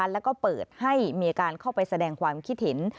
แล้วก็เปิดให้มีการเข้าไปแสดงความคิดเห็น